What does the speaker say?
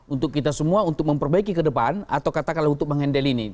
untuk kita semua untuk memperbaiki ke depan atau katakanlah untuk mengendal ini